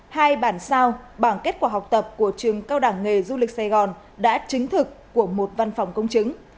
hai bản sau bằng kết quả học tập của trường cao đẳng nghề du lịch sài gòn đã chính thực của một văn phòng công chứng